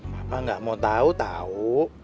papa gak mau tau tau